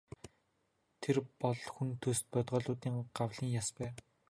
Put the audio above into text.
Тэр бол хүн төст бодгалиудын гавлын яс байв.